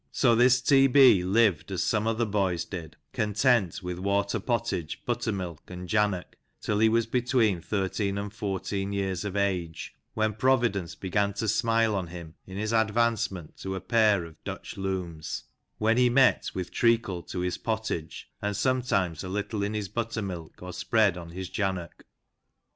" So this T. B. lived as some other boys did, content with water pottage, buttermilk, and jannock, till he was between 13 and 14 years of age, when Providence began to smile on him in his advancement to a pair of Dutch looms,^ when he met with treacle to his pottage, and sometimes a little in his buttermilk, or spread on his jannock.